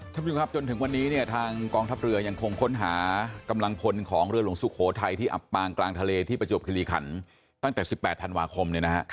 ท่านผู้ชมครับจนถึงวันนี้เนี่ยทางกองทัพเรือยังคงค้นหากำลังพลของเรือหลวงสุโขทัยที่อับปางกลางทะเลที่ประจวบคิริขันตั้งแต่๑๘ธันวาคม